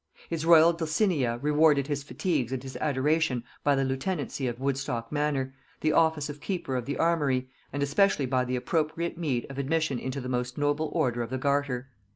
His royal Dulcinea rewarded his fatigues and his adoration by the lieutenancy of Woodstock manor, the office of keeper of the armoury, and especially by the appropriate meed of admission into the most noble order of the Garter.